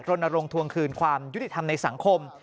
รณรงควงคืนความยุติธรรมในสังคม